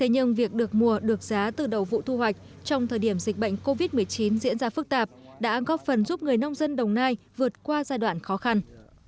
nhưng việc được mua được giá từ đầu vụ thu hoạch trong thời điểm dịch bệnh covid một mươi chín diễn ra phức tạp đã góp phần giúp người nông dân đồng nai vượt qua giai đoạn khó khăn